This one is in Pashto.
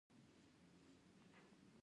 ډولۍ خو پېژنې؟